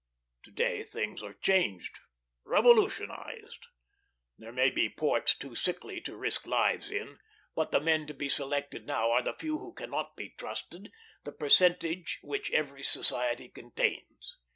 To day things are changed revolutionized. There may be ports too sickly to risk lives in; but the men to be selected now are the few who cannot be trusted, the percentage which every society contains.